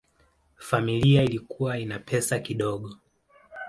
Familia ilikuwa ina pesa kidogo.